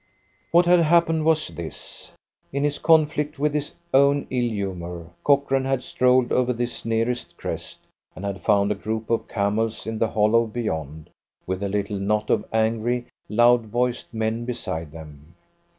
What had happened was this. In his conflict with his own ill humour, Cochrane had strolled over this nearest crest, and had found a group of camels in the hollow beyond, with a little knot of angry, loud voiced men beside them.